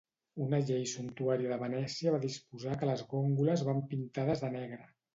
Una llei sumptuària de Venècia va disposar que les góndoles van pintades de negre.